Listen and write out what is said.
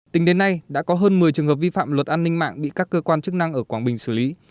tính đến nay đã có hơn một mươi trường hợp vi phạm luật an ninh mạng bị các cơ quan chức năng ở quảng bình xử lý